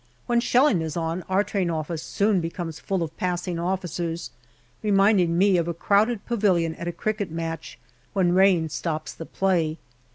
When shelling is on, our Train office soon becomes full of passing officers, reminding me of a crowded pavilion at a cricket match when rain stops the play.